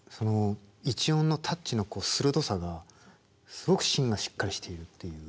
一音のタッチの鋭さがすごく芯がしっかりしているっていう。